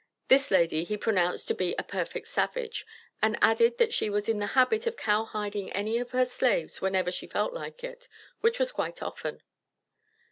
This lady he pronounced to be a "perfect savage," and added that "she was in the habit of cowhiding any of her slaves whenever she felt like it, which was quite often."